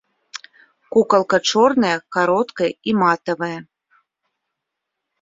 Кукалка чорная, кароткая і матавая.